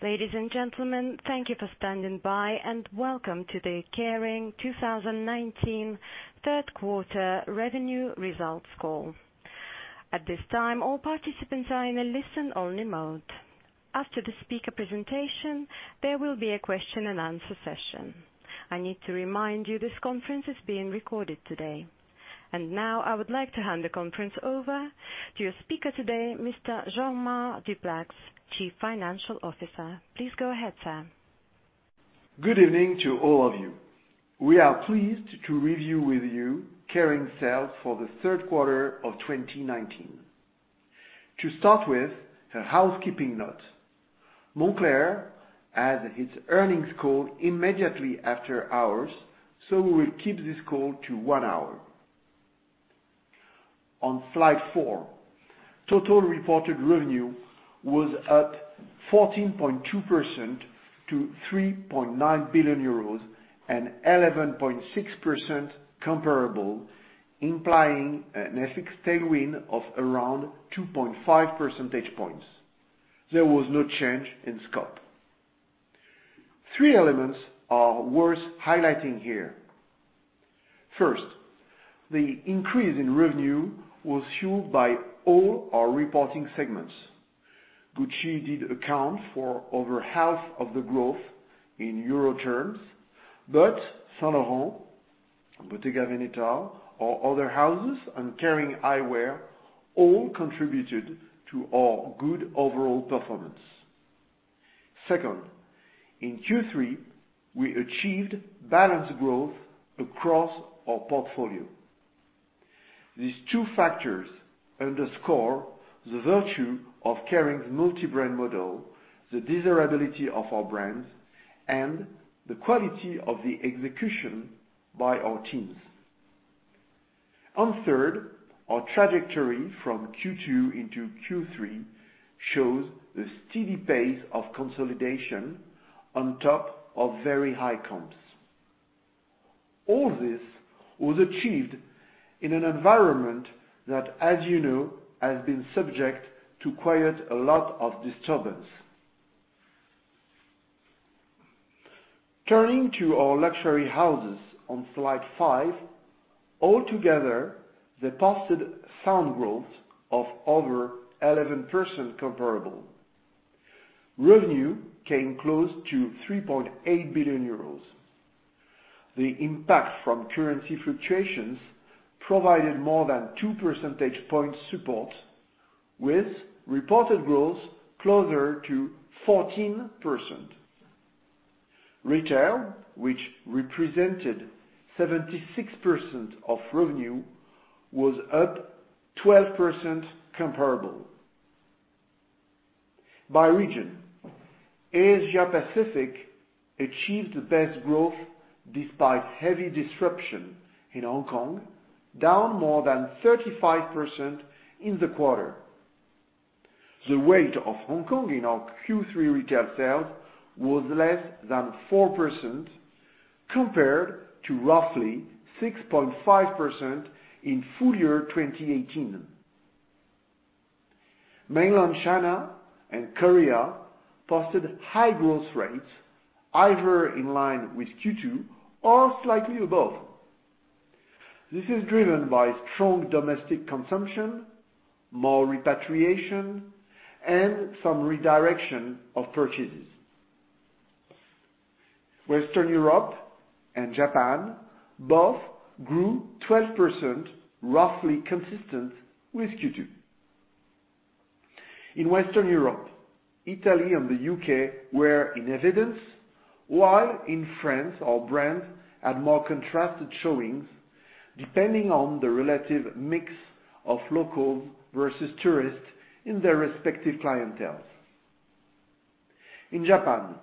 Ladies and gentlemen, thank you for standing by, and welcome to the Kering 2019 third quarter revenue results call. At this time, all participants are in a listen-only mode. After the speaker presentation, there will be a question and answer session. I need to remind you this conference is being recorded today. Now I would like to hand the conference over to your speaker today, Mr. Jean-Marc Duplaix, Chief Financial Officer. Please go ahead, sir. Good evening to all of you. We are pleased to review with you Kering sales for the third quarter of 2019. A housekeeping note. Moncler has its earnings call immediately after ours, so we will keep this call to one hour. On slide four, total reported revenue was up 14.2% to 3.9 billion euros, and 11.6% comparable, implying an FX tailwind of around 2.5 percentage points. There was no change in scope. Three elements are worth highlighting here. First, the increase in revenue was fueled by all our reporting segments. Gucci did account for over half of the growth in euro terms, but Saint Laurent, Bottega Veneta, our other houses, and Kering Eyewear all contributed to our good overall performance. Second, in Q3, we achieved balanced growth across our portfolio. These two factors underscore the virtue of Kering's multi-brand model, the desirability of our brands, and the quality of the execution by our teams. Third, our trajectory from Q2 into Q3 shows a steady pace of consolidation on top of very high comps. All this was achieved in an environment that, as you know, has been subject to quite a lot of disturbance. Turning to our luxury houses on slide five. All together, they posted sound growth of over 11% comparable. Revenue came close to 3.8 billion euros. The impact from currency fluctuations provided more than two percentage point support, with reported growth closer to 14%. Retail, which represented 76% of revenue, was up 12% comparable. By region, Asia Pacific achieved the best growth despite heavy disruption in Hong Kong, down more than 35% in the quarter. The weight of Hong Kong in our Q3 retail sales was less than 4%, compared to roughly 6.5% in full year 2018. Mainland China and Korea posted high-growth rates, either in line with Q2 or slightly above. This is driven by strong domestic consumption, more repatriation, and some redirection of purchases. Western Europe and Japan both grew 12%, roughly consistent with Q2. In Western Europe, Italy and the U.K. were in evidence, while in France, our brands had more contrasted showings depending on the relative mix of locals versus tourists in their respective clienteles. In Japan,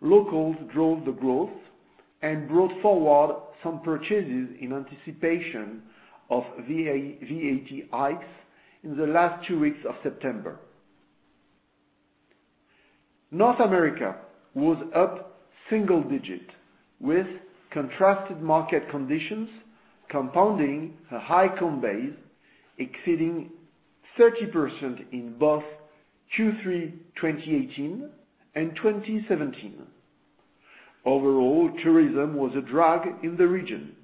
locals drove the growth and brought forward some purchases in anticipation of VAT hikes in the last two weeks of September. North America was up single digit, with contrasted market conditions compounding a high comp base exceeding 30% in both Q3 2018 and 2017. Overall, tourism was a drag in the region.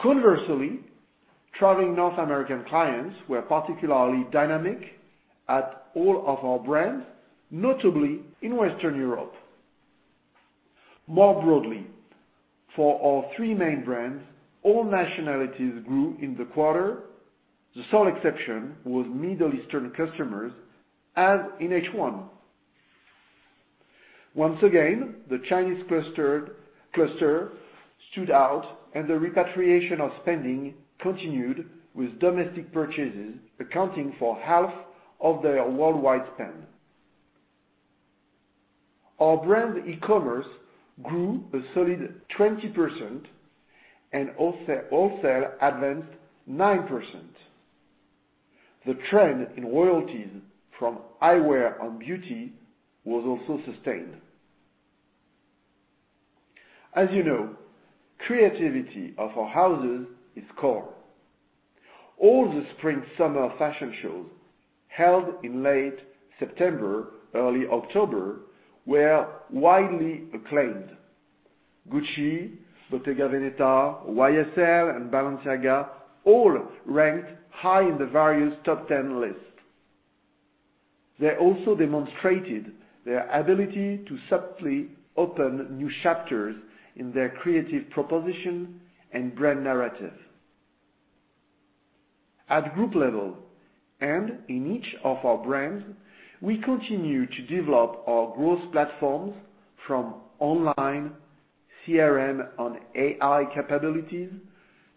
Conversely, traveling North American clients were particularly dynamic at all of our brands, notably in Western Europe. More broadly, for our three main brands, all nationalities grew in the quarter. The sole exception was Middle Eastern customers, as in H1. Once again, the Chinese cluster stood out and the repatriation of spending continued, with domestic purchases accounting for half of their worldwide spend. Our brand e-commerce grew a solid 20%, and wholesale advanced 9%. The trend in royalties from eyewear and beauty was also sustained. As you know, creativity of our houses is core. All the spring summer fashion shows held in late September, early October, were widely acclaimed. Gucci, Bottega Veneta, YSL, and Balenciaga all ranked high in the various top 10 lists. They also demonstrated their ability to subtly open new chapters in their creative proposition and brand narrative. At group level, and in each of our brands, we continue to develop our growth platforms from online CRM and AI capabilities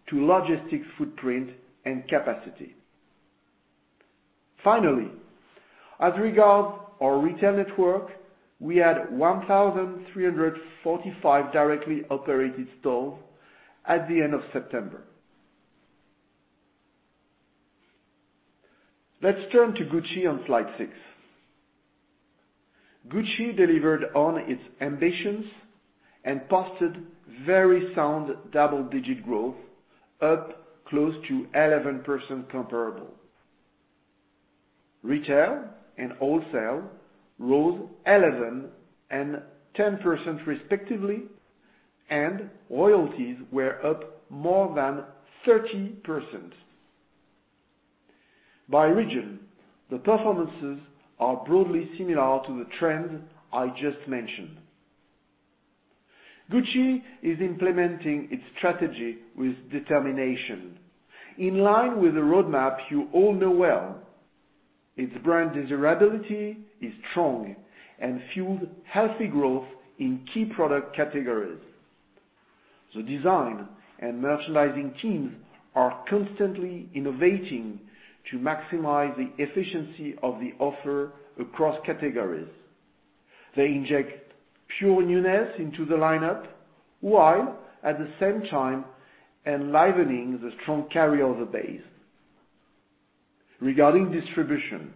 to logistic footprint and capacity. Finally, as regards our retail network, we had 1,345 directly operated stores at the end of September. Let's turn to Gucci on slide six. Gucci delivered on its ambitions and posted very sound double-digit growth, up close to 11% comparable. Retail and wholesale rose 11 and 10% respectively, and royalties were up more than 30%. By region, the performances are broadly similar to the trend I just mentioned. Gucci is implementing its strategy with determination. In line with the roadmap you all know well, its brand desirability is strong and fueled healthy growth in key product categories. The design and merchandising teams are constantly innovating to maximize the efficiency of the offer across categories. They inject pure newness into the lineup, while at the same time enlivening the strong carryover base. Regarding distribution,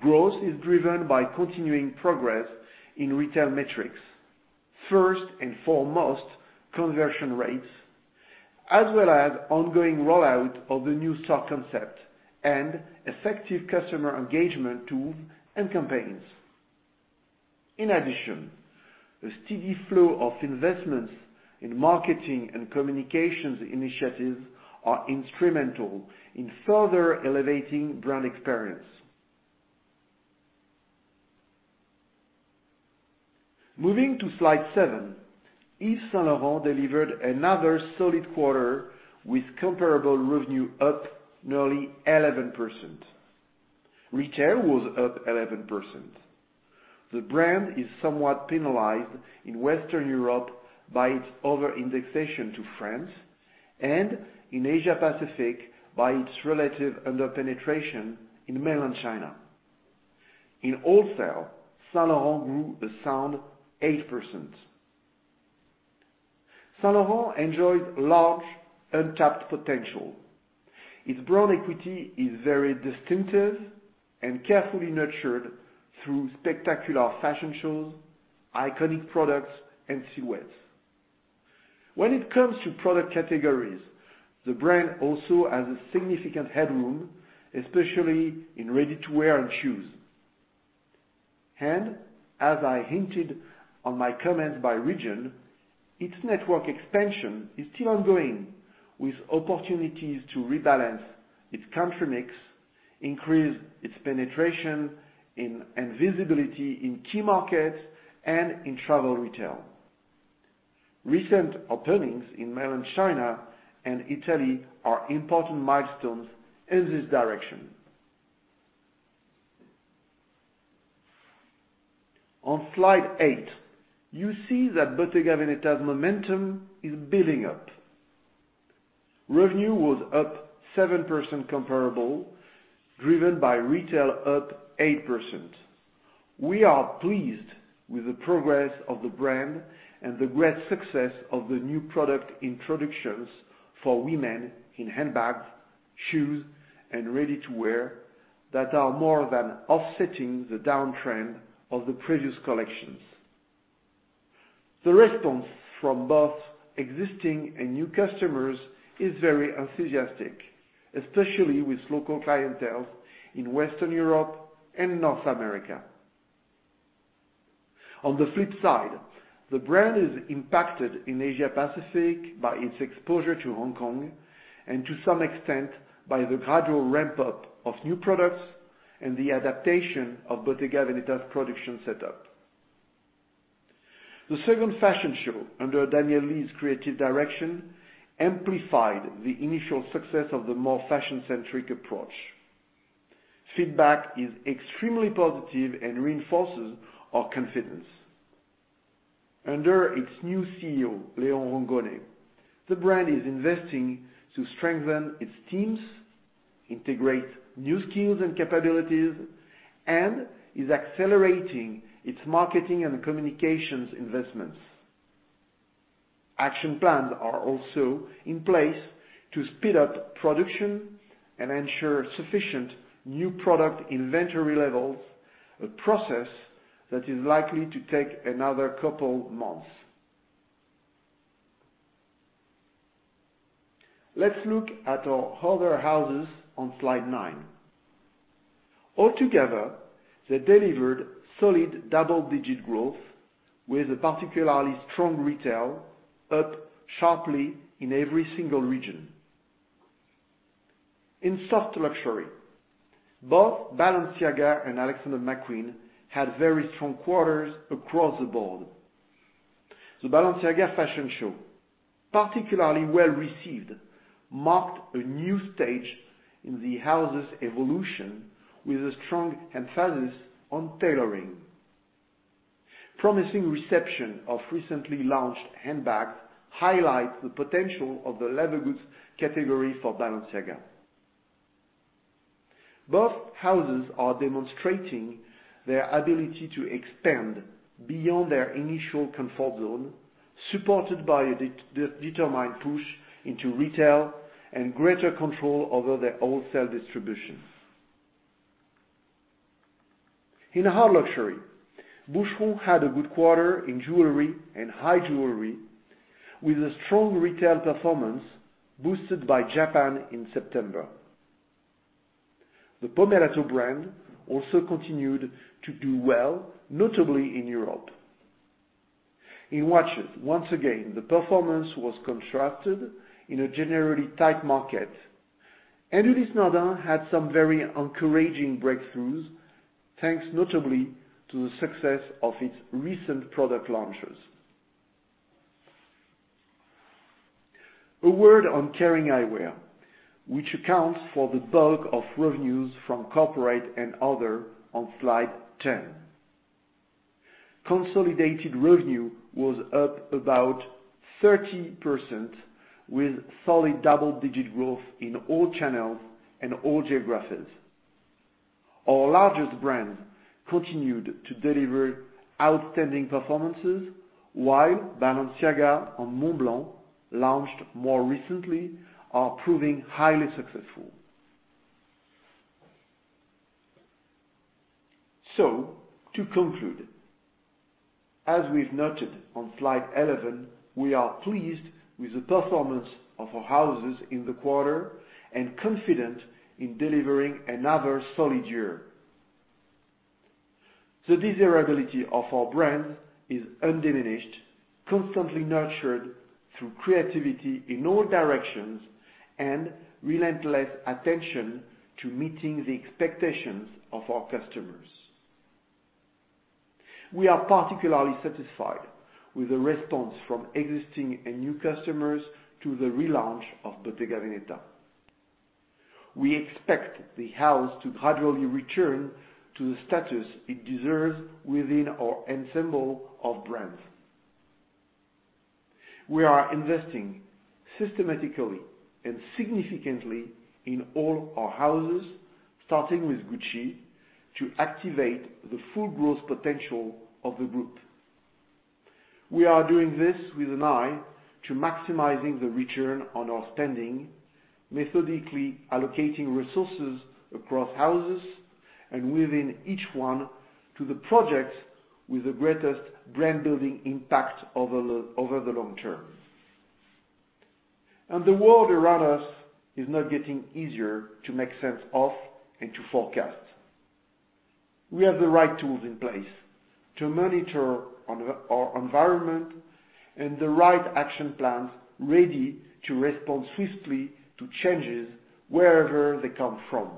growth is driven by continuing progress in retail metrics. First and foremost, conversion rates, as well as ongoing rollout of the new stock concept and effective customer engagement tools and campaigns. In addition, a steady flow of investments in marketing and communications initiatives are instrumental in further elevating brand experience. Moving to slide seven, Yves Saint Laurent delivered another solid quarter with comparable revenue up nearly 11%. Retail was up 11%. The brand is somewhat penalized in Western Europe by its over-indexation to France and in Asia-Pacific by its relative under-penetration in mainland China. In wholesale, Saint Laurent grew a sound 8%. Saint Laurent enjoys large untapped potential. Its brand equity is very distinctive and carefully nurtured through spectacular fashion shows, iconic products, and silhouettes. When it comes to product categories, the brand also has a significant headroom, especially in ready-to-wear and shoes. As I hinted on my comments by region, its network expansion is still ongoing with opportunities to rebalance its country mix, increase its penetration and visibility in key markets and in travel retail. Recent openings in mainland China and Italy are important milestones in this direction. On slide eight, you see that Bottega Veneta's momentum is building up. Revenue was up 7% comparable, driven by retail up 8%. We are pleased with the progress of the brand and the great success of the new product introductions for women in handbags, shoes, and ready-to-wear that are more than offsetting the downtrend of the previous collections. The response from both existing and new customers is very enthusiastic, especially with local clienteles in Western Europe and North America. On the flip side, the brand is impacted in Asia-Pacific by its exposure to Hong Kong and to some extent, by the gradual ramp-up of new products and the adaptation of Bottega Veneta's production setup. The two fashion show under Daniel Lee's creative direction amplified the initial success of the more fashion-centric approach. Feedback is extremely positive and reinforces our confidence. Under its new CEO, Leo Rongone, the brand is investing to strengthen its teams, integrate new skills and capabilities, and is accelerating its marketing and communications investments. Action plans are also in place to speed up production and ensure sufficient new product inventory levels, a process that is likely to take another couple months. Let's look at our other houses on slide nine. All together, they delivered solid double-digit growth with a particularly strong retail up sharply in every single region. In soft luxury, both Balenciaga and Alexander McQueen had very strong quarters across the board. The Balenciaga fashion show, particularly well-received, marked a new stage in the house's evolution with a strong emphasis on tailoring. Promising reception of recently launched handbags highlights the potential of the leather goods category for Balenciaga. Both houses are demonstrating their ability to expand beyond their initial comfort zone, supported by a determined push into retail and greater control over their wholesale distribution. In hard luxury, Boucheron had a good quarter in jewelry and high jewelry with a strong retail performance boosted by Japan in September. The Pomellato brand also continued to do well, notably in Europe. In watches, once again, the performance was constructed in a generally tight market, and Audemars Piguet had some very encouraging breakthroughs, thanks notably to the success of its recent product launches. A word on Kering Eyewear, which accounts for the bulk of revenues from corporate and other on slide 10. Consolidated revenue was up about 30%, with solid double-digit growth in all channels and all geographies. Our largest brands continued to deliver outstanding performances, while Balenciaga and Montblanc, launched more recently, are proving highly successful. To conclude, as we've noted on slide 11, we are pleased with the performance of our houses in the quarter and confident in delivering another solid year. The desirability of our brands is undiminished, constantly nurtured through creativity in all directions and relentless attention to meeting the expectations of our customers. We are particularly satisfied with the response from existing and new customers to the relaunch of Bottega Veneta. We expect the house to gradually return to the status it deserves within our ensemble of brands. We are investing systematically and significantly in all our houses, starting with Gucci, to activate the full growth potential of the group. We are doing this with an eye to maximizing the return on our spending, methodically allocating resources across houses and within each one to the projects with the greatest brand-building impact over the long term. The world around us is not getting easier to make sense of and to forecast. We have the right tools in place to monitor our environment and the right action plans ready to respond swiftly to changes wherever they come from.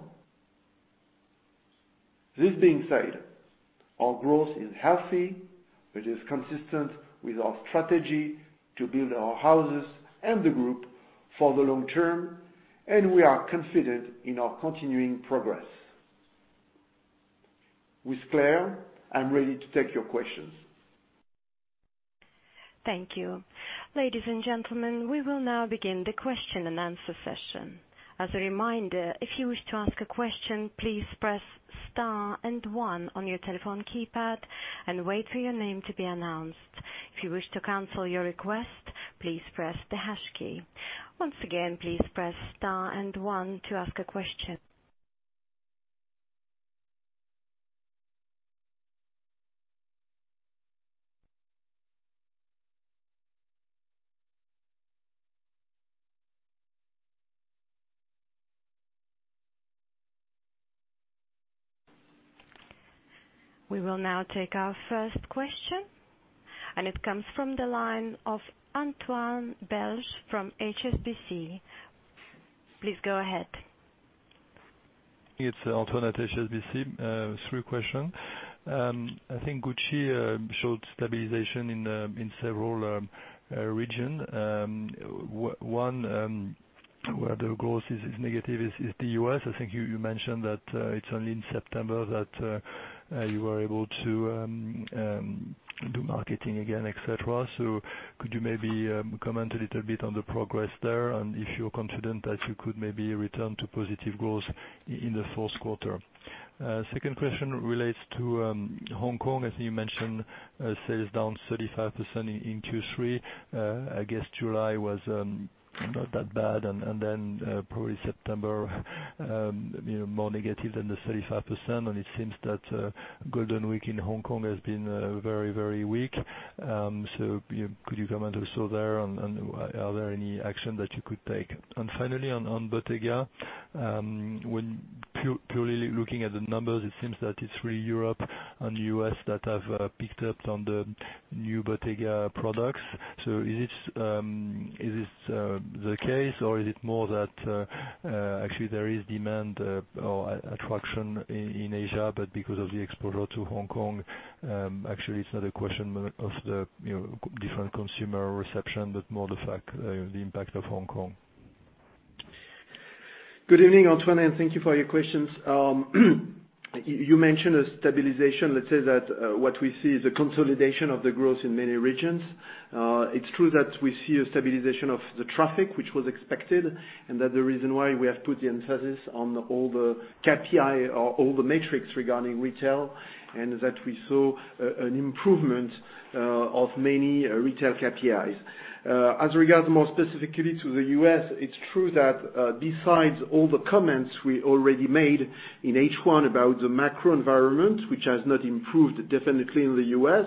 This being said, our growth is healthy, it is consistent with our strategy to build our houses and the group for the long term, and we are confident in our continuing progress. With Claire, I'm ready to take your questions. Thank you. Ladies and gentlemen, we will now begin the question and answer session. As a reminder, if you wish to ask a question, please press star and one on your telephone keypad and wait for your name to be announced. If you wish to cancel your request, please press the hash key. Once again, please press star and one to ask a question. We will now take our first question. It comes from the line of Antoine Belge from HSBC. Please go ahead. It's Antoine at HSBC. Three question. I think Gucci showed stabilization in several region. One, where the growth is negative is the U.S. I think you mentioned that it's only in September that you were able to do marketing again, et cetera. Could you maybe comment a little bit on the progress there, and if you're confident that you could maybe return to positive growth in the first quarter? Second question relates to Hong Kong. I think you mentioned sales down 35% in Q3. I guess July was not that bad and then probably September, more negative than the 35%, and it seems that Golden Week in Hong Kong has been very weak. Could you comment also there and are there any action that you could take? Finally, on Bottega, when purely looking at the numbers, it seems that it's really Europe and the U.S. that have picked up on the new Bottega products. Is this the case or is it more that actually there is demand or attraction in Asia, but because of the exposure to Hong Kong, actually it's not a question of the different consumer reception, but more the fact, the impact of Hong Kong. Good evening, Antoine. Thank you for your questions. You mentioned a stabilization. Let's say that what we see is a consolidation of the growth in many regions. It's true that we see a stabilization of the traffic, which was expected, and that the reason why we have put the emphasis on all the KPI or all the metrics regarding retail, and that we saw an improvement of many retail KPIs. As regards more specifically to the U.S., it's true that, besides all the comments we already made in H1 about the macro environment, which has not improved definitely in the U.S.,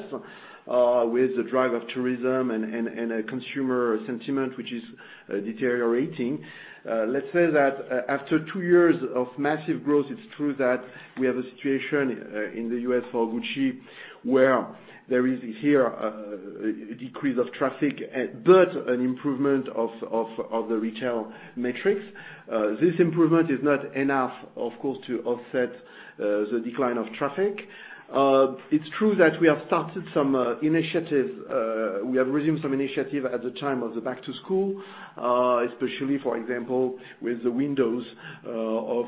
with the drive of tourism and consumer sentiment, which is deteriorating. Let's say that after two years of massive growth, it's true that we have a situation in the U.S. for Gucci where there is here a decrease of traffic, but an improvement of the retail metrics. This improvement is not enough, of course, to offset the decline of traffic. It's true that we have started some initiative. We have resumed some initiative at the time of the back to school, especially, for example, with the windows of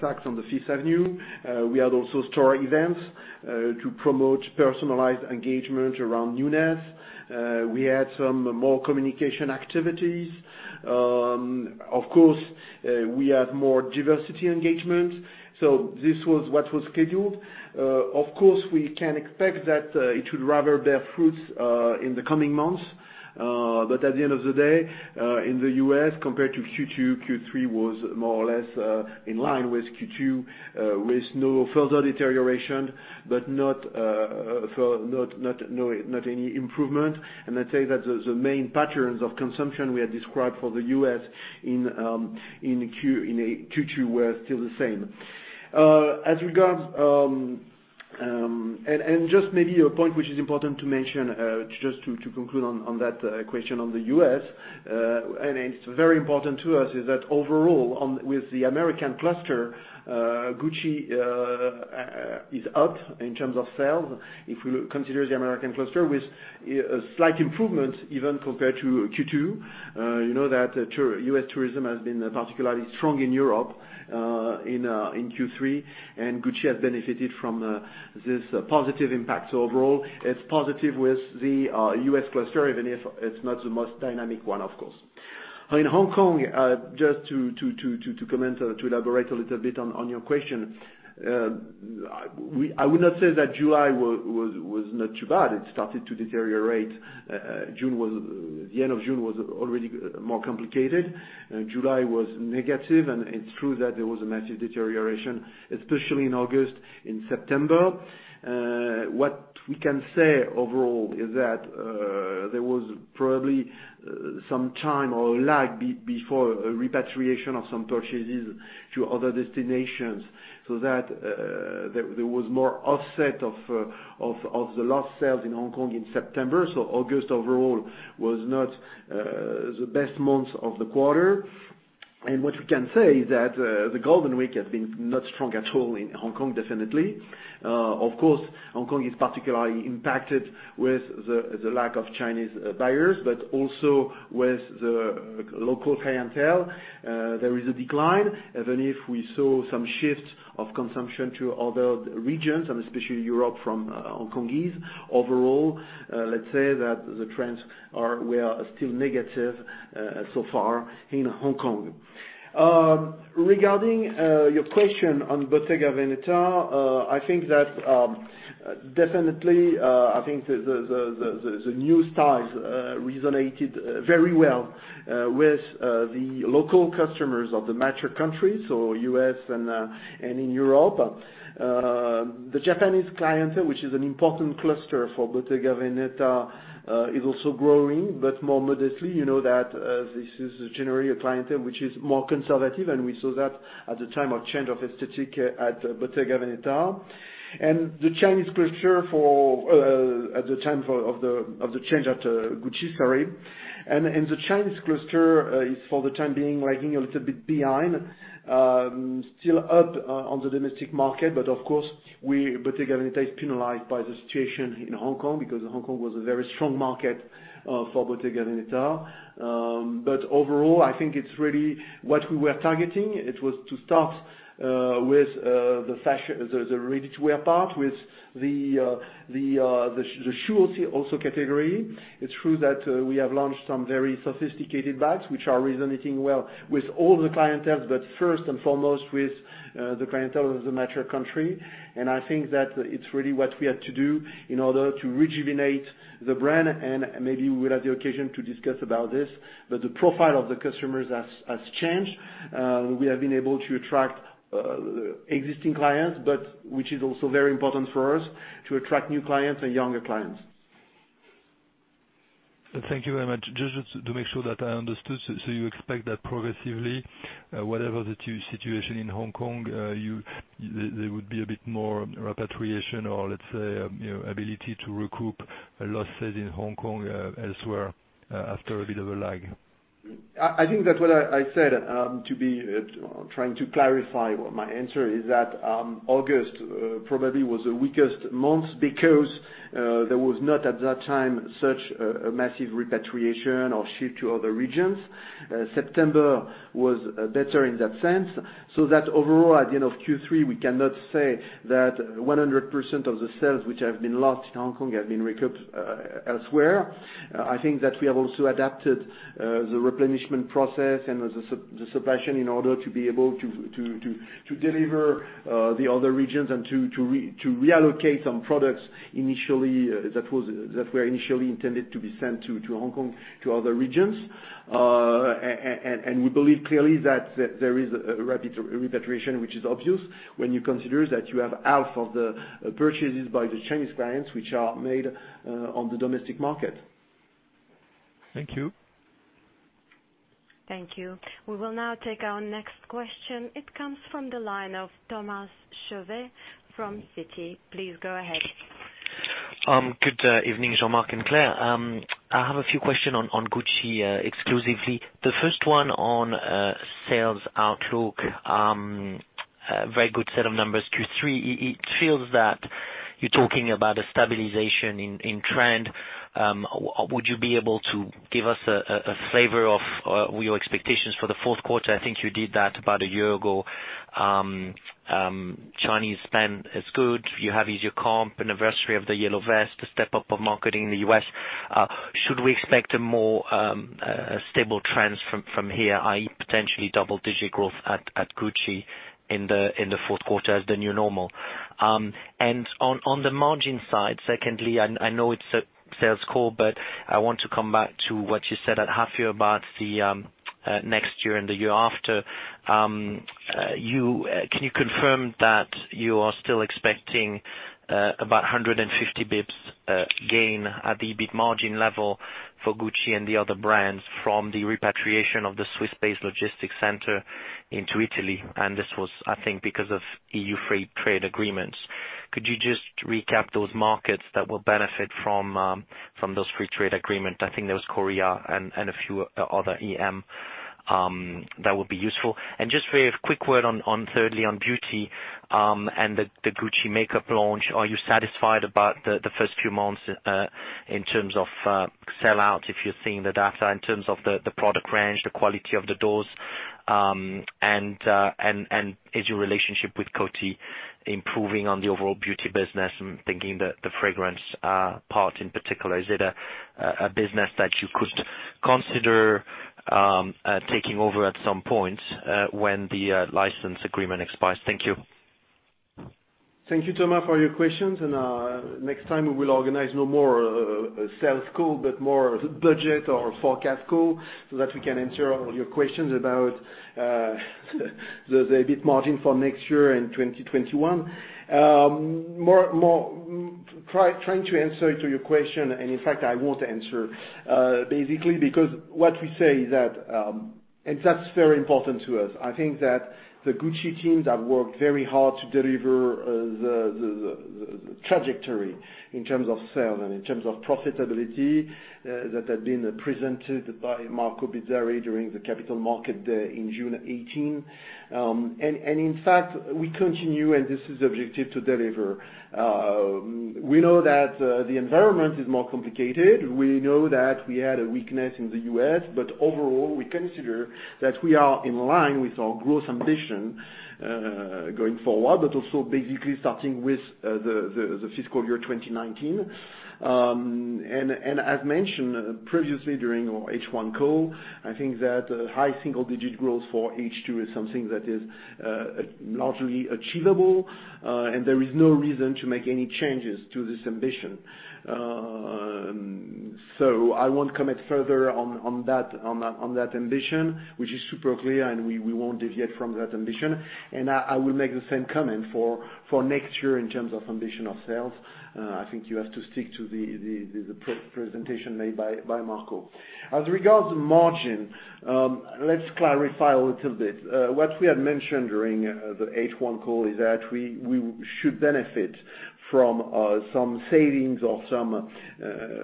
Saks on the Fifth Avenue. We had also store events, to promote personalized engagement around newness. We had some more communication activities. Of course, we have more diversity engagement. This was what was scheduled. Of course, we can expect that it should rather bear fruits in the coming months. At the end of the day, in the U.S., compared to Q2, Q3 was more or less in line with Q2, with no further deterioration, but not any improvement. I'd say that the main patterns of consumption we had described for the U.S. in Q2 were still the same. Just maybe a point which is important to mention, just to conclude on that question on the U.S., and it's very important to us, is that overall with the American cluster, Gucci is up in terms of sales. If we consider the American cluster with a slight improvement even compared to Q2. You know that U.S. tourism has been particularly strong in Europe in Q3, and Gucci has benefited from this positive impact. Overall, it's positive with the U.S. cluster, even if it's not the most dynamic one, of course. In Hong Kong, just to comment, to elaborate a little bit on your question. I would not say that July was not too bad. It started to deteriorate. The end of June was already more complicated. July was negative, and it's true that there was a massive deterioration, especially in August, in September. What we can say overall is that there was probably some time or lag before a repatriation of some purchases to other destinations, so that there was more offset of the lost sales in Hong Kong in September. August overall was not the best month of the quarter. What we can say is that the Golden Week has been not strong at all in Hong Kong, definitely. Of course, Hong Kong is particularly impacted with the lack of Chinese buyers, but also with the local clientele. There is a decline, even if we saw some shifts of consumption to other regions, and especially Europe from Hongkongese. Overall, let's say that the trends are still negative so far in Hong Kong. Regarding your question on Bottega Veneta, definitely, I think the new styles resonated very well with the local customers of the mature countries, so U.S. and in Europe. The Japanese clientele, which is an important cluster for Bottega Veneta, is also growing, but more modestly. You know that this is generally a clientele which is more conservative, and we saw that at the time of change of aesthetic at Bottega Veneta. The Chinese cluster at the time of the change at Gucci, sorry, the Chinese cluster is, for the time being, lagging a little bit behind. Still up on the domestic market, but of course, Bottega Veneta is penalized by the situation in Hong Kong, because Hong Kong was a very strong market for Bottega Veneta. Overall, I think it's really what we were targeting. It was to start with the ready-to-wear part with the shoes also category. It's true that we have launched some very sophisticated bags, which are resonating well with all the clienteles, but first and foremost with the clientele of the mature country. I think that it's really what we had to do in order to rejuvenate the brand, and maybe we will have the occasion to discuss about this. The profile of the customers has changed. We have been able to attract existing clients, but which is also very important for us to attract new clients and younger clients. Thank you very much. Just to make sure that I understood, you expect that progressively, whatever the situation in Hong Kong, there would be a bit more repatriation or let's say, ability to recoup losses in Hong Kong elsewhere after a bit of a lag? I think that what I said, trying to clarify my answer is that August probably was the weakest month because there was not at that time such a massive repatriation or shift to other regions. September was better in that sense. Overall at the end of Q3, we cannot say that 100% of the sales which have been lost in Hong Kong have been recouped elsewhere. I think that we have also adapted the replenishment process and the supply chain in order to be able to deliver the other regions and to reallocate some products that were initially intended to be sent to Hong Kong to other regions. We believe clearly that there is a rapid repatriation, which is obvious when you consider that you have half of the purchases by the Chinese clients which are made on the domestic market. Thank you. Thank you. We will now take our next question. It comes from the line of Thomas Chauvet from Citi. Please go ahead. Good evening, Jean-Marc and Claire. I have a few questions on Gucci exclusively. The first one on sales outlook. Very good set of numbers, Q3. It feels that you're talking about a stabilization in trend. Would you be able to give us a flavor of your expectations for the fourth quarter? I think you did that about a year ago. Chinese spend is good. You have easier comp, anniversary of the yellow vest, a step up of marketing in the U.S. Should we expect a more stable trends from here, i.e., potentially double-digit growth at Gucci in the fourth quarter as the new normal? On the margin side, secondly, I know it's a sales call, but I want to come back to what you said at half year about the next year and the year after. Can you confirm that you are still expecting about 150 basis points gain at the EBIT margin level for Gucci and the other brands from the repatriation of the Swiss-based logistics center into Italy? This was, I think, because of EU free trade agreements. Could you just recap those markets that will benefit from those free trade agreement? I think there was Korea and a few other EM. That would be useful. Just a quick word on, thirdly, on beauty and the Gucci makeup launch. Are you satisfied about the first few months in terms of sell-out, if you're seeing the data in terms of the product range, the quality of the doors? Is your relationship with Coty improving on the overall beauty business? I'm thinking the fragrance part in particular. Is it a business that you could consider taking over at some point when the license agreement expires? Thank you. Thank you, Thomas, for your questions. Next time we will organize no more a sales call, but more budget or forecast call so that we can answer all your questions about the EBIT margin for next year and 2021. Trying to answer to your question, and in fact, I won't answer, basically, because what we say is that, and that's very important to us. I think that the Gucci teams have worked very hard to deliver the trajectory in terms of sales and in terms of profitability that had been presented by Marco Bizzarri during the Capital Markets Day in June 2018. In fact, we continue, and this is objective to deliver. We know that the environment is more complicated. We know that we had a weakness in the U.S., overall, we consider that we are in line with our growth ambition going forward, also basically starting with the FY 2019. As mentioned previously during our H1 call, I think that high single-digit growth for H2 is something that is largely achievable, there is no reason to make any changes to this ambition. I won't comment further on that ambition, which is super clear, we won't deviate from that ambition. I will make the same comment for next year in terms of ambition of sales. I think you have to stick to the presentation made by Marco. As regards to margin, let's clarify a little bit. What we had mentioned during the H1 call is that we should benefit from some savings or some,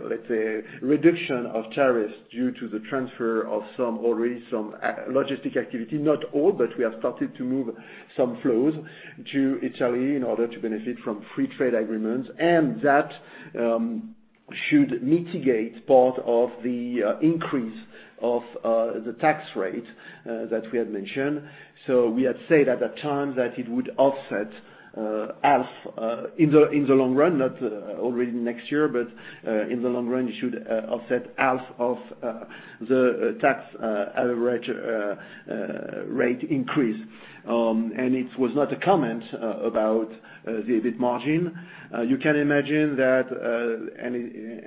let's say, reduction of tariffs due to the transfer of already some logistic activity. Not all, but we have started to move some flows to Italy in order to benefit from free trade agreements. That should mitigate part of the increase of the tax rate that we had mentioned. We had said at that time that it would offset half in the long run, not already next year, but in the long run, it should offset half of the tax average rate increase. It was not a comment about the EBIT margin. You can imagine that,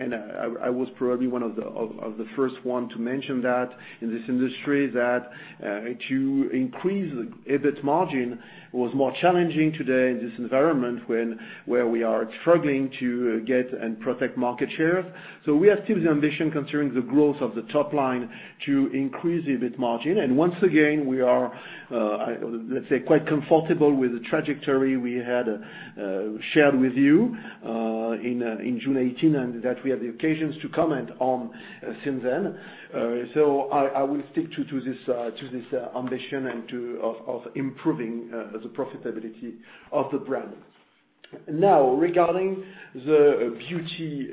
and I was probably one of the first ones to mention that in this industry, that to increase the EBIT margin was more challenging today in this environment where we are struggling to get and protect market share. We have still the ambition concerning the growth of the top line to increase the EBIT margin. Once again, we are, let's say, quite comfortable with the trajectory we had shared with you in June 2018, and that we have the occasions to comment on since then. I will stick to this ambition of improving the profitability of the brand. Now, regarding the beauty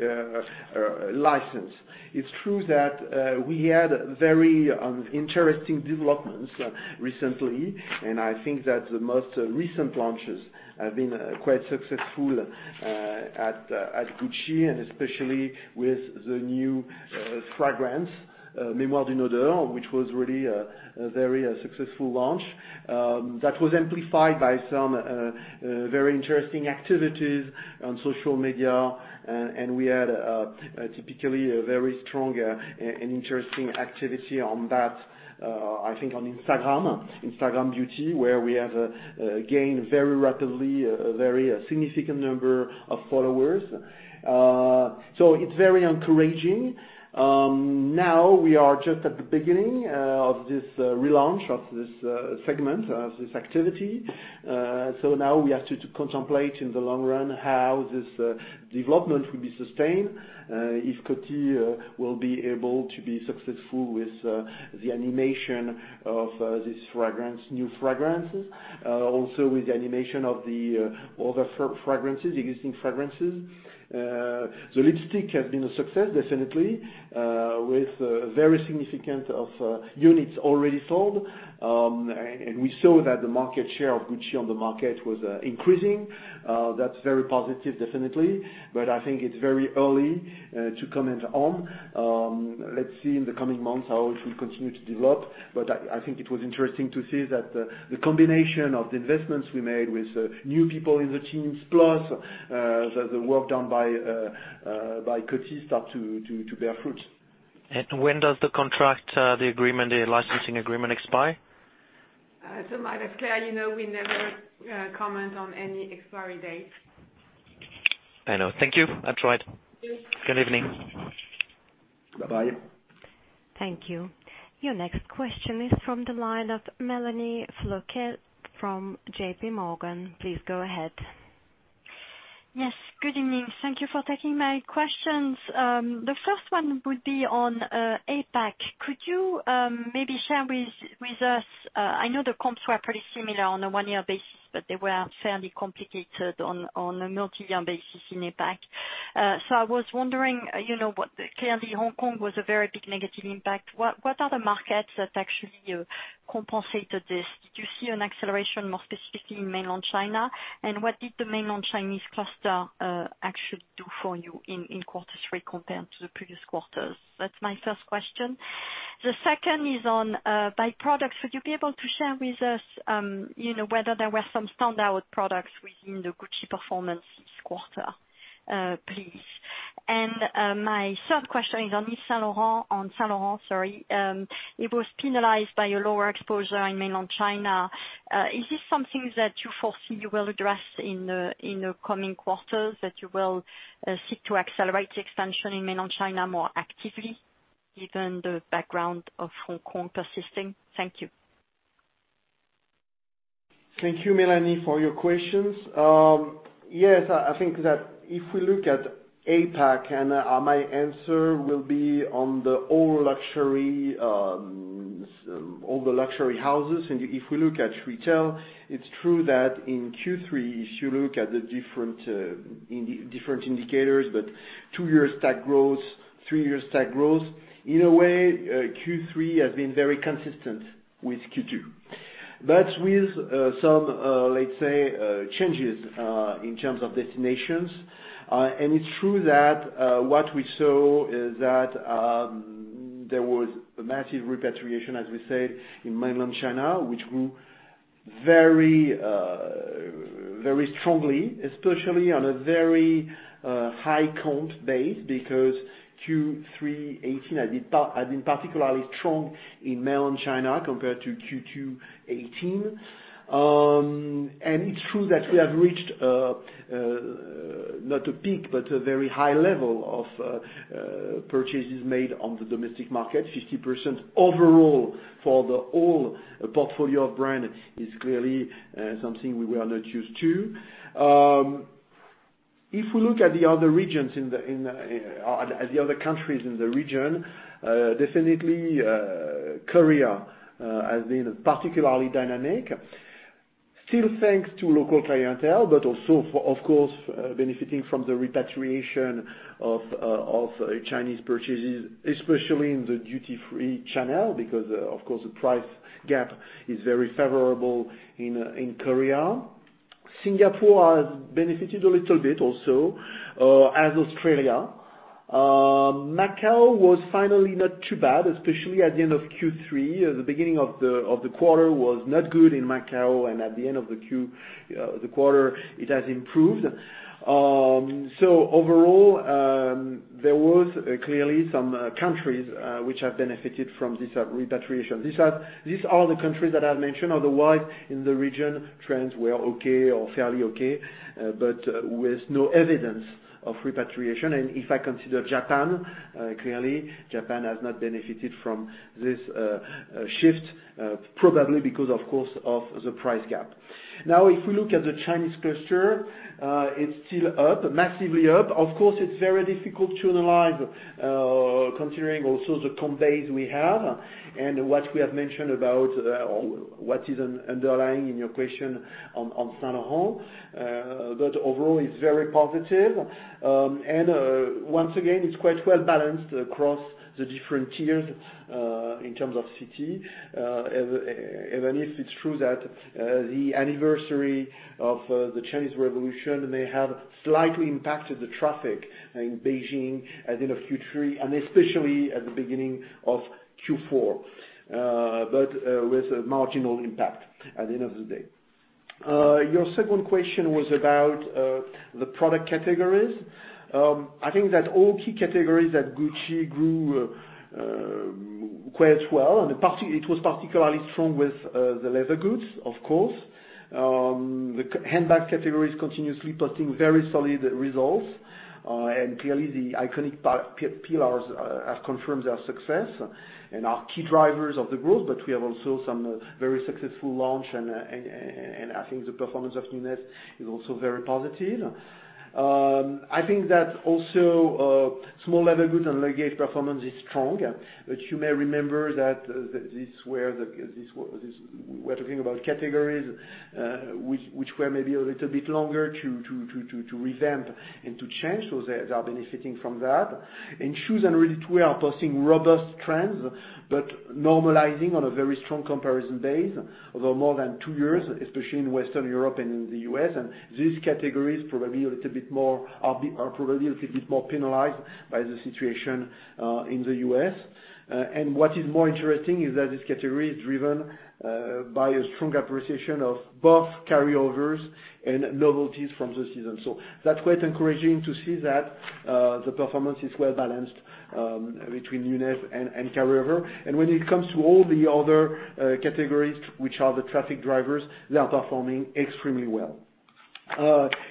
license. It's true that we had very interesting developments recently. I think that the most recent launches have been quite successful at Gucci, especially with the new fragrance, Mémoire d'une Odeur, which was really a very successful launch that was amplified by some very interesting activities on social media. We had typically a very strong and interesting activity on that, I think on Instagram Beauty, where we have gained very rapidly a very significant number of followers. It's very encouraging. Now we are just at the beginning of this relaunch of this segment, of this activity. Now we have to contemplate in the long run how this development will be sustained, if Coty will be able to be successful with the animation of these new fragrances. Also with the animation of the other existing fragrances. The lipstick has been a success, definitely, with very significant of units already sold. We saw that the market share of Gucci on the market was increasing. That's very positive, definitely. I think it's very early to comment on. Let's see in the coming months how it will continue to develop. I think it was interesting to see that the combination of the investments we made with new people in the teams, plus the work done by Coty start to bear fruit. When does the licensing agreement expire? Marc, as Claire you know, we never comment on any expiry date. I know. Thank you. I tried. Thank you. Good evening. Bye-bye. Thank you. Your next question is from the line of Mélanie Flouquet from JP Morgan. Please go ahead. Yes, good evening. Thank you for taking my questions. The first one would be on APAC. Could you maybe share with us, I know the comps were pretty similar on a one-year basis, but they were fairly complicated on a multi-year basis in APAC. I was wondering, clearly Hong Kong was a very big negative impact. What are the markets that actually compensated this? Did you see an acceleration more specifically in mainland China? What did the mainland Chinese cluster actually do for you in quarter three compared to the previous quarters? That's my first question. The second is on byproducts. Would you be able to share with us whether there were some standout products within the Gucci performance this quarter, please? My third question is on Saint Laurent. It was penalized by a lower exposure in mainland China. Is this something that you foresee you will address in the coming quarters, that you will seek to accelerate the expansion in Mainland China more actively given the background of Hong Kong persisting? Thank you. Thank you, Mélanie, for your questions. Yes, I think that if we look at APAC, my answer will be on all the luxury houses, and if we look at retail, it's true that in Q3, if you look at the different indicators, but two years stack growth, three years stack growth, in a way, Q3 has been very consistent with Q2, but with some, let's say, changes in terms of destinations. It's true that what we saw is that there was a massive repatriation, as we said, in mainland China, which grew very strongly, especially on a very high comp base, because Q3 '18 had been particularly strong in mainland China compared to Q2 '18. It's true that we have reached, not a peak, but a very high level of purchases made on the domestic market. 50% overall for the whole portfolio of brand is clearly something we were not used to. If we look at the other countries in the region, definitely Korea has been particularly dynamic. Still thanks to local clientele, but also, of course, benefiting from the repatriation of Chinese purchases, especially in the duty-free channel, because of course, the price gap is very favorable in Korea. Singapore has benefited a little bit also, as Australia. Macau was finally not too bad, especially at the end of Q3. The beginning of the quarter was not good in Macau, and at the end of the quarter, it has improved. Overall, there was clearly some countries which have benefited from this repatriation. These are the countries that I mentioned, otherwise, in the region, trends were okay or fairly okay, but with no evidence of repatriation. If I consider Japan, clearly, Japan has not benefited from this shift, probably because, of course, of the price gap. If we look at the Chinese cluster, it's still up, massively up. Of course, it's very difficult to analyze, considering also the comp base we have and what we have mentioned about what is underlying in your question on Saint Laurent. Overall, it's very positive. Once again, it's quite well-balanced across the different tiers in terms of city. Even if it's true that the anniversary of the Chinese revolution may have slightly impacted the traffic in Beijing at the end of Q3, especially at the beginning of Q4. With a marginal impact at the end of the day. Your second question was about the product categories. I think that all key categories at Gucci grew quite well. It was particularly strong with the leather goods, of course. The handbag category is continuously posting very solid results. Clearly the iconic pillars have confirmed their success and are key drivers of the growth, but we have also some very successful launch, and I think the performance of newness is also very positive. I think that also small leather goods and luggage performance is strong. You may remember that this, we're talking about categories, which were maybe a little bit longer to revamp and to change. They are benefiting from that. Shoes and ready-to-wear are posting robust trends, but normalizing on a very strong comparison base over more than two years, especially in Western Europe and in the U.S. These categories are probably a little bit more penalized by the situation in the U.S. What is more interesting is that this category is driven by a strong appreciation of both carryovers and novelties from the season. That's quite encouraging to see that the performance is well-balanced between newness and carryover. When it comes to all the other categories, which are the traffic drivers, they are performing extremely well.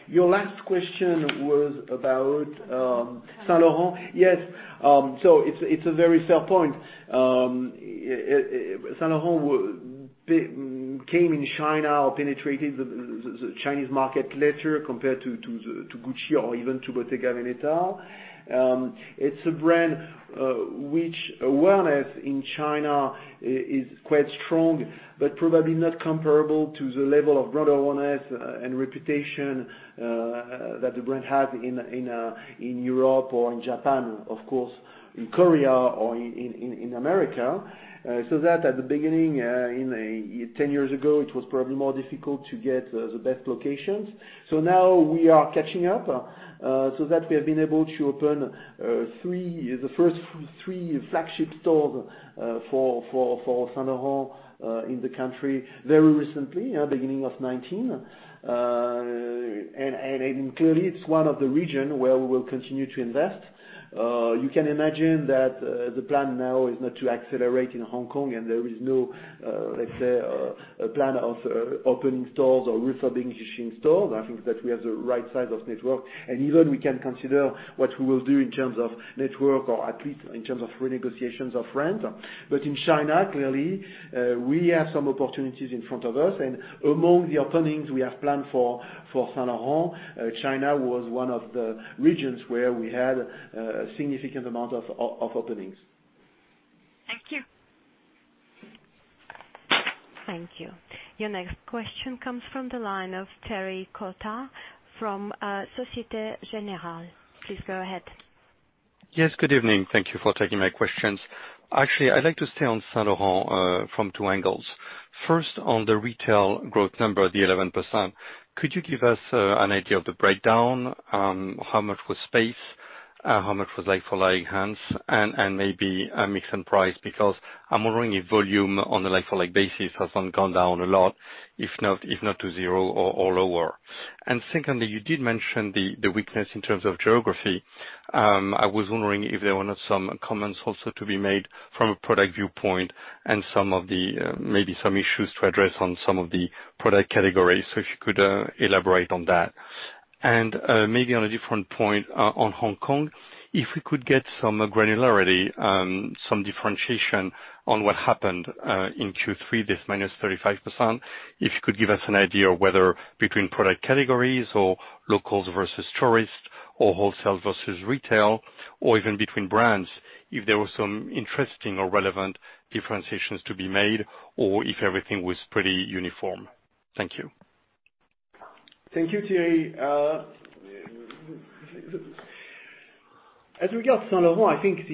Your last question was about Saint Laurent. Saint Laurent. Yes. It's a very fair point. Saint Laurent came in China or penetrated the Chinese market later compared to Gucci or even to Bottega Veneta. It's a brand which awareness in China is quite strong, but probably not comparable to the level of brand awareness and reputation that the brand had in Europe or in Japan, of course, in Korea or in America. That at the beginning, 10 years ago, it was probably more difficult to get the best locations. Now we are catching up, so that we have been able to open the first three flagship stores for Saint Laurent in the country very recently, beginning of 2019. Clearly it's one of the region where we will continue to invest. You can imagine that the plan now is not to accelerate in Hong Kong, and there is no, let's say, a plan of opening stores or refurbishing stores. I think that we have the right size of network, and even we can consider what we will do in terms of network or at least in terms of renegotiations of rent. In China, clearly, we have some opportunities in front of us, and among the openings we have planned for Saint Laurent, China was one of the regions where we had a significant amount of openings. Thank you. Thank you. Your next question comes from the line of Thierry Cota from Societe Generale. Please go ahead. Yes, good evening. Thank you for taking my questions. Actually, I'd like to stay on Saint Laurent from two angles. First, on the retail growth number, the 11%. Could you give us an idea of the breakdown? How much was space? How much was like-for-like, Hans, and maybe a mix and price, because I'm wondering if volume on a like-for-like basis has gone down a lot, if not to zero or lower. Secondly, you did mention the weakness in terms of geography. I was wondering if there were some comments also to be made from a product viewpoint and maybe some issues to address on some of the product categories, so if you could elaborate on that. Maybe on a different point, on Hong Kong, if we could get some granularity, some differentiation on what happened in Q3, this minus 35%. If you could give us an idea whether between product categories or locals versus tourists or wholesale versus retail, or even between brands, if there were some interesting or relevant differentiations to be made or if everything was pretty uniform. Thank you. Thank you, Thierry. As regards Saint Laurent, I think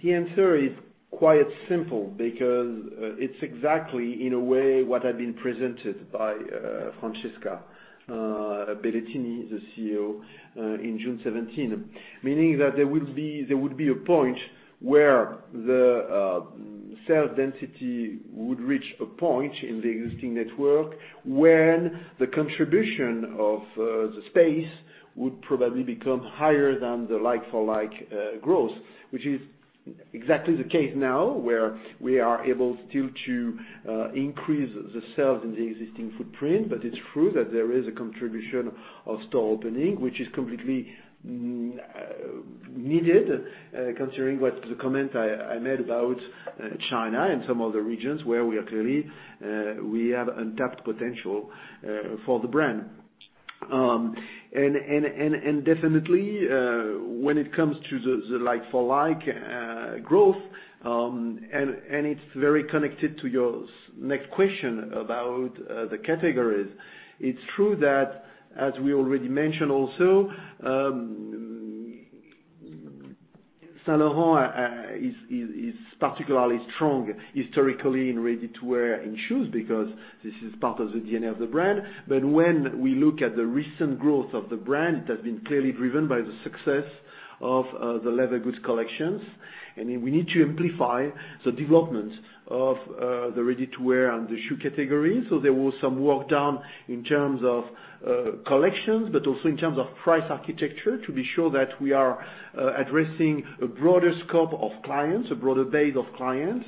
the answer is quite simple because it's exactly, in a way, what had been presented by Francesca Bellettini, the CEO, in June 2017. Meaning that there would be a point where the sales density would reach a point in the existing network when the contribution of the space would probably become higher than the like-for-like growth, which is exactly the case now, where we are able still to increase the sales in the existing footprint. It's true that there is a contribution of store opening, which is completely needed, considering the comment I made about China and some other regions where we have untapped potential for the brand. Definitely, when it comes to the like-for-like growth, and it's very connected to your next question about the categories. It's true that, as we already mentioned also, Saint Laurent is particularly strong historically in ready-to-wear and shoes because this is part of the DNA of the brand. When we look at the recent growth of the brand, it has been clearly driven by the success of the leather goods collections. We need to amplify the development of the ready-to-wear and the shoe categories. There was some work done in terms of collections, but also in terms of price architecture to be sure that we are addressing a broader scope of clients, a broader base of clients,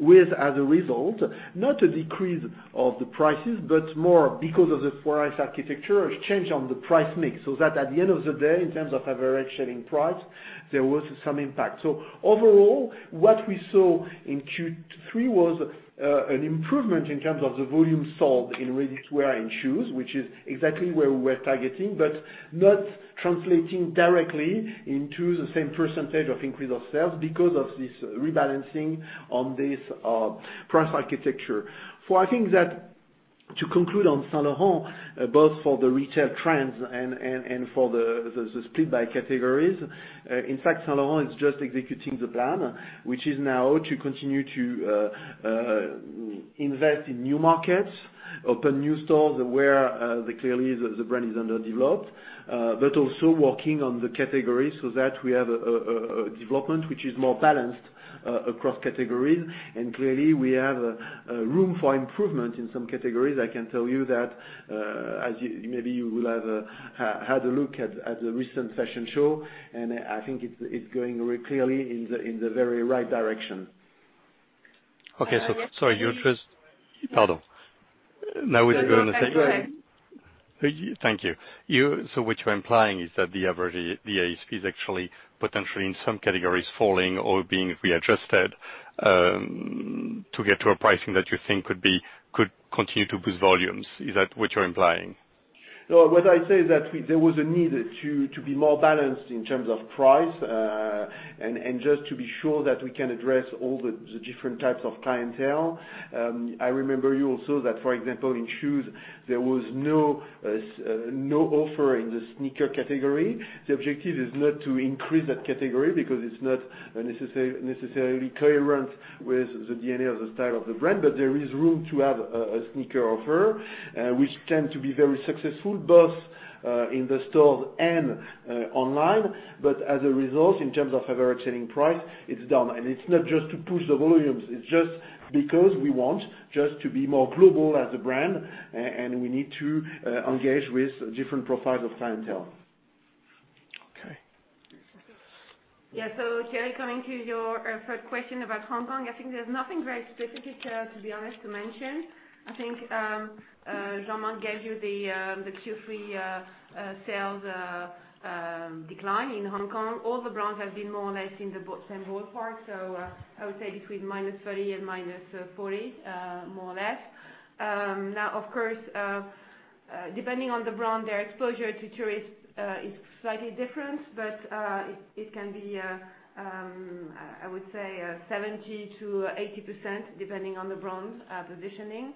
with, as a result, not a decrease of the prices, but more because of the price architecture, a change on the price mix. That at the end of the day, in terms of average selling price, there was some impact. Overall, what we saw in Q3 was an improvement in terms of the volume sold in ready-to-wear and shoes, which is exactly where we were targeting, but not translating directly into the same % of increase of sales because of this rebalancing on this price architecture. To conclude on Saint Laurent, both for the retail trends and for the split by categories. In fact, Saint Laurent is just executing the plan, which is now to continue to invest in new markets, open new stores where clearly the brand is underdeveloped, but also working on the category so that we have a development which is more balanced across categories. Clearly, we have room for improvement in some categories. I can tell you that, maybe you will have had a look at the recent fashion show, and I think it's going very clearly in the very right direction. Okay. Sorry. Pardon. Now we're going to say That's right. Thank you. What you're implying is that the average, the ASP, is actually potentially in some categories falling or being readjusted to get to a pricing that you think could continue to boost volumes. Is that what you're implying? No, what I say is that there was a need to be more balanced in terms of price, and just to be sure that we can address all the different types of clientele. I remember you also that, for example, in shoes, there was no offer in the sneaker category. The objective is not to increase that category because it's not necessarily coherent with the DNA or the style of the brand. There is room to have a sneaker offer, which tend to be very successful, both in the stores and online. As a result, in terms of average selling price, it's down. It's not just to push the volumes. It's just because we want just to be more global as a brand, and we need to engage with different profiles of clientele. Okay. Thierry, coming to your first question about Hong Kong, I think there's nothing very specific, to be honest, to mention. I think Jean-Marc gave you the Q3 sales decline in Hong Kong. All the brands have been more or less in the same ballpark. I would say between -30% and -40%, more or less. Of course, depending on the brand, their exposure to tourists is slightly different, but it can be, I would say, 70%-80% depending on the brand's positioning.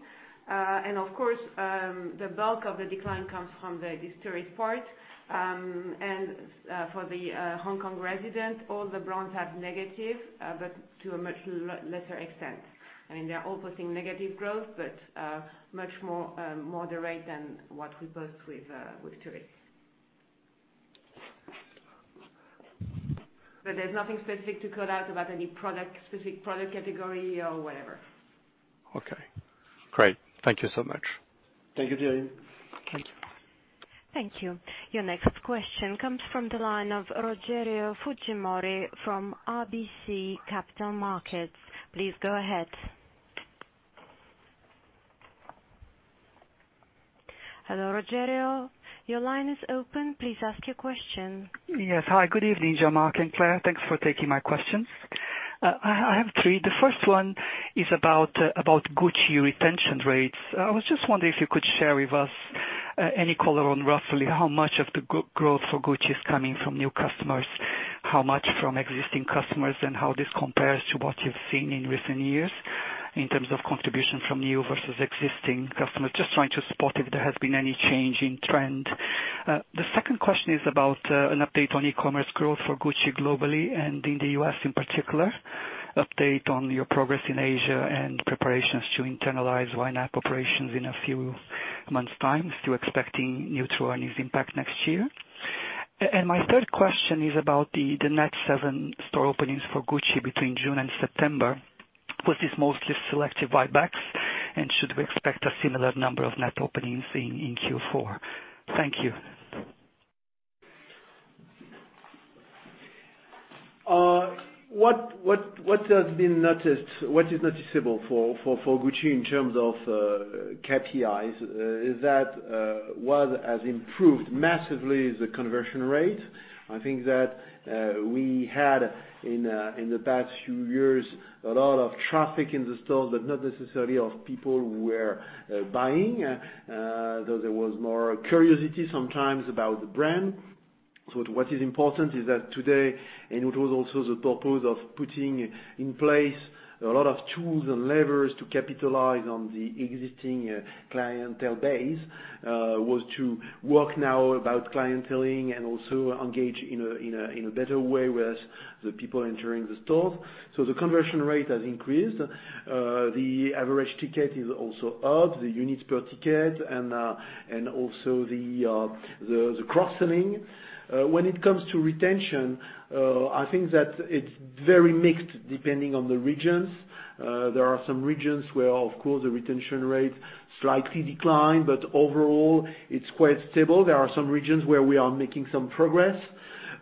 Of course, the bulk of the decline comes from the tourist part. For the Hong Kong resident, all the brands have negative, but to a much lesser extent. They're also seeing negative growth, much more moderate than what we post with tourists. There's nothing specific to call out about any specific product category or whatever. Okay, great. Thank you so much. Thank you, Thierry. Okay. Thank you. Your next question comes from the line of Rogério Fujimori from RBC Capital Markets. Please go ahead. Hello, Rogério. Your line is open. Please ask your question. Yes. Hi, good evening, Jean-Marc and Claire. Thanks for taking my questions. I have three. The first one is about Gucci retention rates. I was just wondering if you could share with us any color on roughly how much of the growth for Gucci is coming from new customers, how much from existing customers, and how this compares to what you've seen in recent years in terms of contribution from new versus existing customers. Just trying to spot if there has been any change in trend. The second question is about an update on e-commerce growth for Gucci globally and in the U.S. in particular, update on your progress in Asia and preparations to internalize YNAP operations in a few months' time. Still expecting neutral earnings impact next year. My third question is about the next seven store openings for Gucci between June and September. Was this mostly selective buybacks, and should we expect a similar number of net openings in Q4? Thank you. What is noticeable for Gucci in terms of KPIs is that what has improved massively is the conversion rate. I think that we had, in the past few years, a lot of traffic in the stores, but not necessarily of people who were buying. Though there was more curiosity sometimes about the brand. What is important is that today, and it was also the purpose of putting in place a lot of tools and levers to capitalize on the existing clientele base, was to work now about clienteling and also engage in a better way with the people entering the stores. The conversion rate has increased. The average ticket is also up, the units per ticket, and also the cross-selling. When it comes to retention, I think that it's very mixed depending on the regions. There are some regions where, of course, the retention rate slightly declined, but overall, it's quite stable. There are some regions where we are making some progress.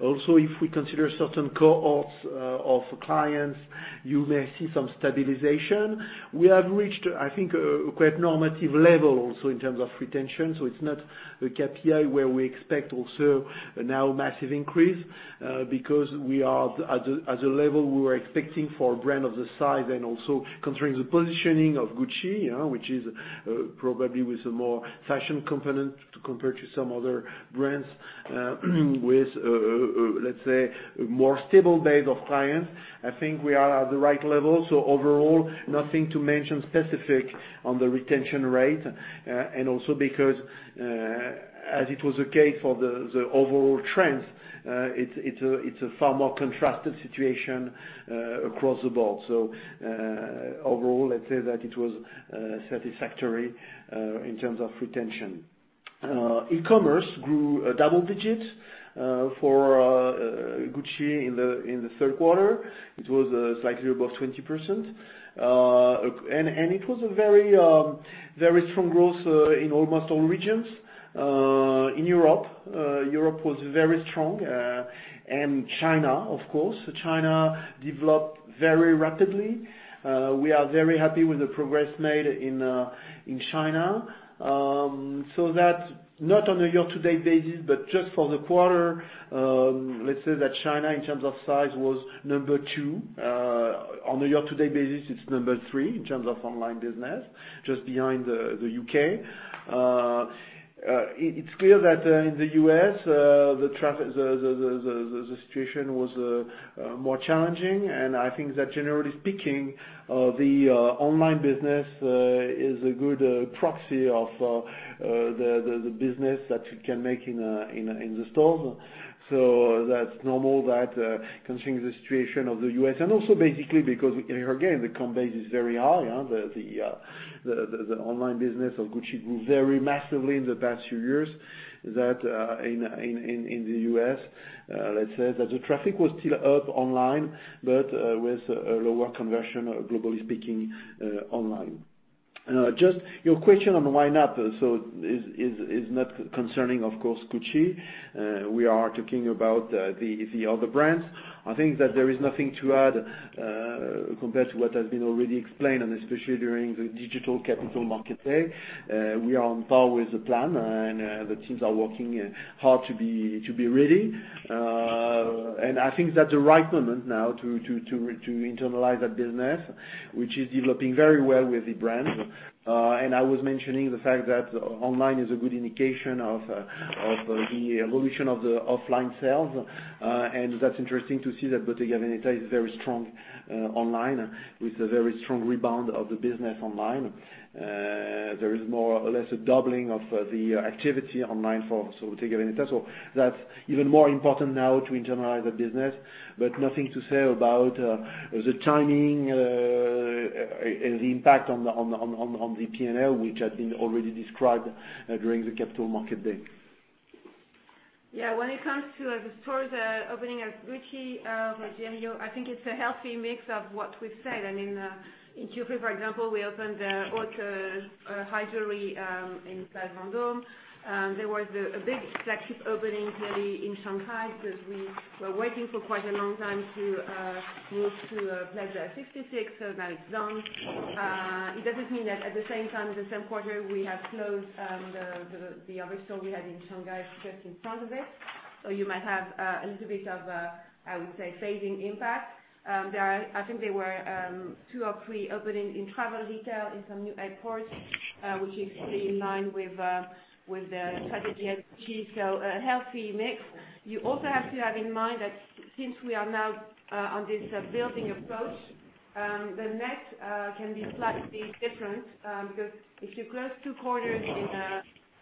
Also, if we consider certain cohorts of clients, you may see some stabilization. We have reached, I think, a quite normative level also in terms of retention. It's not a KPI where we expect also now massive increase, because we are at the level we were expecting for a brand of this size and also considering the positioning of Gucci, which is probably with a more fashion component compared to some other brands with, let's say, more stable base of clients. I think we are at the right level. Overall, nothing to mention specific on the retention rate. Also because, as it was the case for the overall trends, it's a far more contrasted situation across the board. Overall, let's say that it was satisfactory in terms of retention. E-commerce grew double digits for Gucci in the third quarter. It was slightly above 20%. It was a very strong growth in almost all regions. In Europe was very strong. China, of course, China developed very rapidly. We are very happy with the progress made in China. That, not on a year-to-date basis, but just for the quarter, let's say that China, in terms of size, was number 2. On a year-to-date basis, it's number 3 in terms of online business, just behind the U.K. It's clear that in the U.S., the situation was more challenging, and I think that generally speaking, the online business is a good proxy of the business that you can make in the stores. That's normal that considering the situation of the U.S., and also basically because, again, the comp base is very high. The online business of Gucci grew very massively in the past few years, that in the U.S., let's say that the traffic was still up online, but with a lower conversion globally speaking online. Just your question on YNAP, is not concerning, of course, Gucci. We are talking about the other brands. I think that there is nothing to add compared to what has been already explained, and especially during the digital capital markets day. We are on par with the plan, and the teams are working hard to be ready. I think that's the right moment now to internalize that business, which is developing very well with the brands. I was mentioning the fact that online is a good indication of the evolution of the offline sales. That's interesting to see that Bottega Veneta is very strong online, with a very strong rebound of the business online. There is more or less a doubling of the activity online for Bottega Veneta. That's even more important now to internalize the business, but nothing to say about the timing and the impact on the P&L, which has been already described during the Capital Markets Day. When it comes to the stores opening at Gucci, Rogério, I think it's a healthy mix of what we've said. In Q3, for example, we opened the haute jewelry in Place Vendôme. There was a big flagship opening really in Shanghai because we were waiting for quite a long time to move to Plaza 66. Now it's done. It doesn't mean that at the same time, the same quarter, we have closed the other store we had in Shanghai just in front of it. You might have a little bit of, I would say, phasing impact. I think there were two or three opening in travel retail in some new airports, which is really in line with the strategy at Gucci. A healthy mix. You also have to have in mind that since we are now on this building approach, the net can be slightly different, because if you close two corners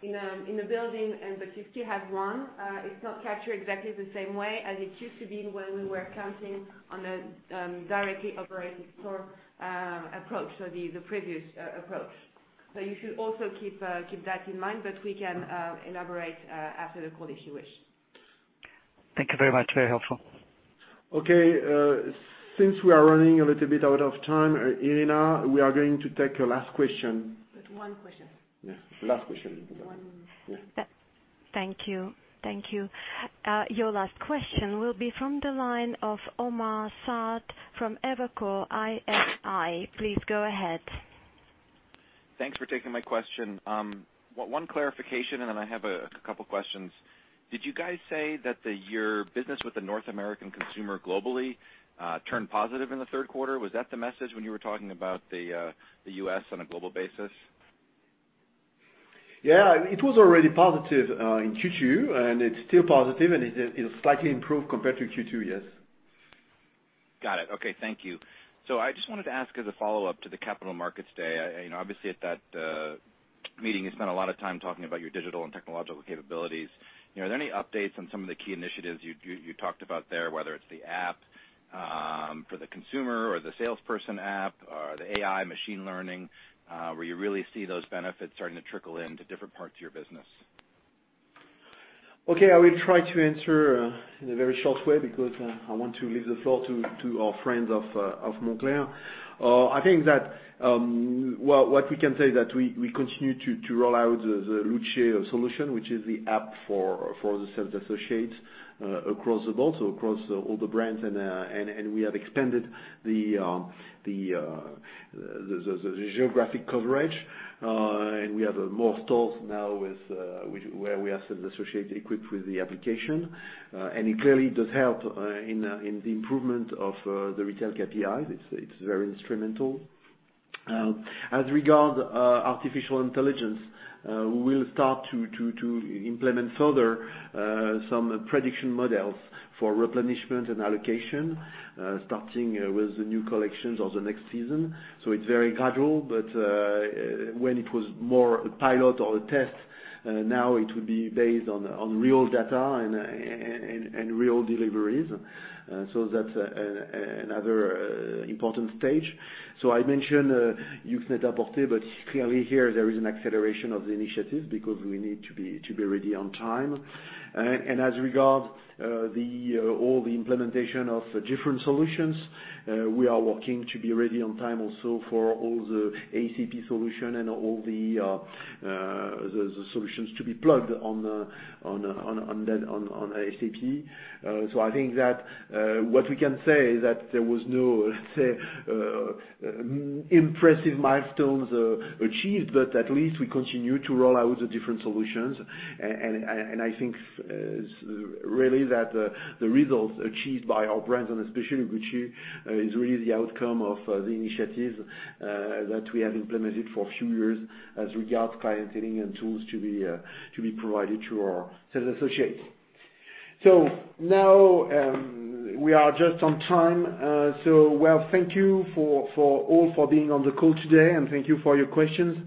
in a building but you still have one, it's not captured exactly the same way as it used to be when we were counting on a directly operated store approach, the previous approach. You should also keep that in mind, but we can elaborate after the call if you wish. Thank you very much. Very helpful. Okay. Since we are running a little bit out of time, Irina, we are going to take a last question. One question. Yeah. Last question. One. Yeah. Thank you. Your last question will be from the line of Omar Saad from Evercore ISI. Please go ahead. Thanks for taking my question. One clarification and then I have a couple questions. Did you guys say that your business with the North American consumer globally turned positive in the third quarter? Was that the message when you were talking about the U.S. on a global basis? Yeah. It was already positive in Q2, and it's still positive, and it slightly improved compared to Q2. Yes. Got it. Okay. Thank you. I just wanted to ask as a follow-up to the Capital Markets Day. Obviously, at that meeting, you spent a lot of time talking about your digital and technological capabilities. Are there any updates on some of the key initiatives you talked about there, whether it's the app for the consumer or the salesperson app or the AI machine learning, where you really see those benefits starting to trickle into different parts of your business? Okay. I will try to answer in a very short way because I want to leave the floor to our friends of Moncler. I think that what we can say that we continue to roll out the Luce solution, which is the app for the sales associates across the board, so across all the brands, and we have expanded the geographic coverage. We have more stores now where we have sales associates equipped with the application. It clearly does help in the improvement of the retail KPI. It's very instrumental. As regard artificial intelligence, we will start to implement further some prediction models for replenishment and allocation, starting with the new collections of the next season. It's very gradual. When it was more a pilot or a test, now it will be based on real data and real deliveries. That's another important stage. I mentioned Yoox Net-a-Porter, but clearly here, there is an acceleration of the initiative because we need to be ready on time. As regard all the implementation of different solutions, we are working to be ready on time also for all the ACP solution and all the solutions to be plugged on SAP. I think that what we can say is that there was no, let's say, impressive milestones achieved, but at least we continue to roll out the different solutions. I think really that the results achieved by our brands, and especially Gucci, is really the outcome of the initiatives that we have implemented for a few years as regards clienteling and tools to be provided to our sales associates. Now, we are just on time. Thank you all for being on the call today, and thank you for your questions.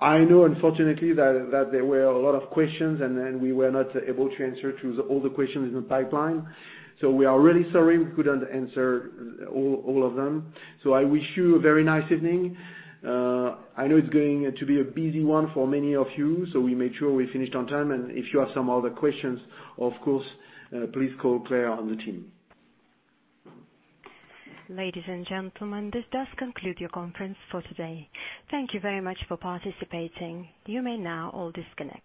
I know, unfortunately, that there were a lot of questions, and we were not able to answer to all the questions in the pipeline. We are really sorry we couldn't answer all of them. I wish you a very nice evening. I know it's going to be a busy one for many of you, so we made sure we finished on time. If you have some other questions, of course, please call Claire on the team. Ladies and gentlemen, this does conclude your conference for today. Thank you very much for participating. You may now all disconnect.